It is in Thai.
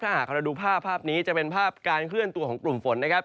ถ้าหากเราดูภาพภาพนี้จะเป็นภาพการเคลื่อนตัวของกลุ่มฝนนะครับ